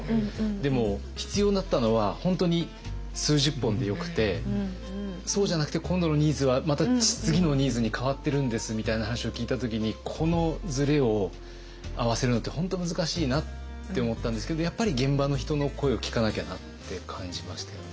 でも必要だったのは本当に数十本でよくてそうじゃなくて今度のニーズはまた次のニーズに変わってるんですみたいな話を聞いた時にこのズレを合わせるのって本当難しいなって思ったんですけどやっぱり現場の人の声を聞かなきゃなって感じましたよね。